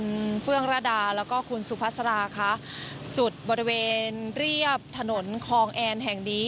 คุณเฟื่องระดาแล้วก็คุณสุภาษาค่ะจุดบริเวณเรียบถนนคลองแอนแห่งนี้